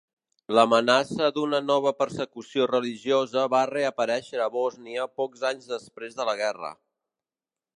L'amenaça d'una nova persecució religiosa va reaparèixer a Bòsnia pocs anys després de la guerra.